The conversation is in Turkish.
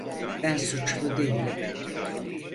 Ben suçlu değilim.